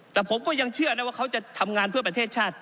แต่ผมก็ยังเชื่อนะว่าเขาจะทำงานเพื่อประเทศชาติ